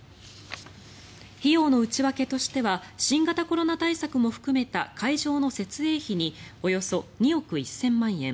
費用の内訳としては新型コロナ対策も含めた会場の設営費におよそ２億１０００万円